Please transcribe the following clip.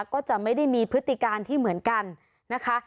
ก็จะไม่ได้มีพฤติการที่เหมือนกันนะคะ